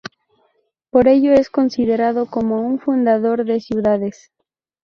Por ello es considerado como un fundador de ciudades.